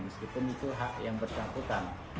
meskipun itu hak yang bersangkutan